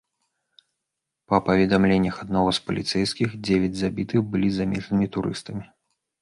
Па паведамленнях аднаго з паліцэйскіх, дзевяць забітых былі замежнымі турыстамі.